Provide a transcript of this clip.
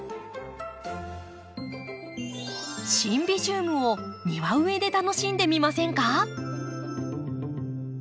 シンビジウムを庭植えで楽しんでみませんか？